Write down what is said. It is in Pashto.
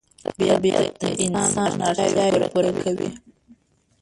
طبیعت د انسان اړتیاوې پوره کوي